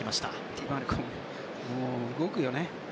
ディマルコももう、動くよね。